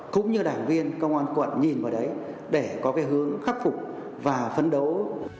cũng như đảng viên công an quận nhìn vào đấy để có cái hướng khắc phục và phấn đấu